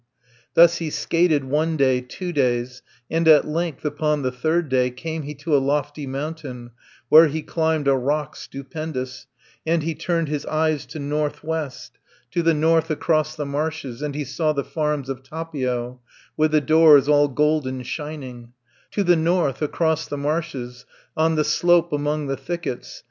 Thus he skated one day, two days, And at length upon the third day, Came he to a lofty mountain, Where he climbed a rock stupendous, And he turned his eyes to north west, To the north across the marshes, 90 And he saw the farms of Tapio, With the doors all golden shining, To the north, across the marshes, On the slope among the thickets.